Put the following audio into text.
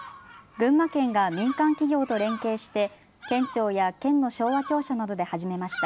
群馬県が民間企業と連携して県庁や県の昭和庁舎などで始めました。